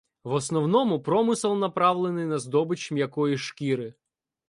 В основному, промисел направлений на здобич м'якої шкіри.